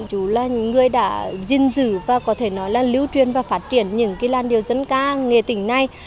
chủ là người đã duyên dự và có thể nói là lưu truyền và phát triển những cái làn điệu dân ca nghệ tỉnh này